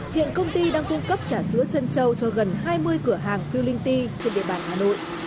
hiện công ty đang cung cấp trà sữa trân châu cho gần hai mươi cửa hàng phiêu linh ti trên địa bàn hà nội